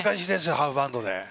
ハーフバウンドで。